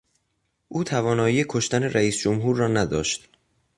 او توانایی کشتن رییس جمهور را نداشت.